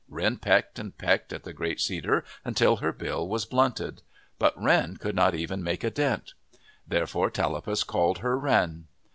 Wren pecked and pecked at the great cedar until her bill was blunted. But Wren could not even make a dent. Therefore Tallapus called her Wren.